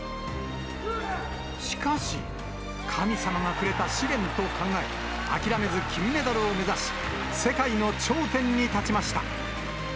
しかし、神様がくれた試練と考え、諦めず金メダルを目指し、世界の頂点に立ちました。